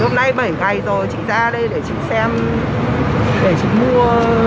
hôm nay bảy ngày rồi chị ra đây để chị xem để chị mua